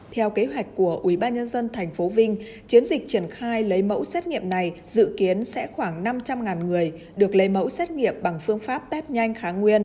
theo kế hoạch của ubnd tp vinh chiến dịch triển khai lấy mẫu xét nghiệm này dự kiến sẽ khoảng năm trăm linh người được lấy mẫu xét nghiệm bằng phương pháp test nhanh kháng nguyên